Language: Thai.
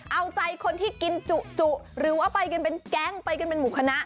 เอาใจคนที่กินจุหรือว่าไปกันเป็นแก๊งไปกันเป็นหมู่คณะ